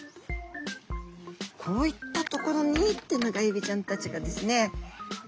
こういったところにテナガエビちゃんたちがですね